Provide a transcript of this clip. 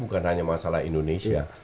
bukan hanya masalah indonesia